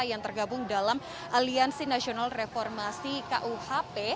yang tergabung dalam aliansi nasional reformasi kuhp